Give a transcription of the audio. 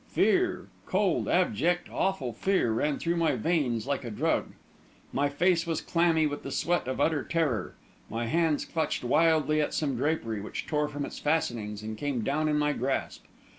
Fear cold, abject, awful fear ran through my veins like a drug; my face was clammy with the sweat of utter terror; my hands clutched wildly at some drapery, which tore from its fastenings and came down in my grasp....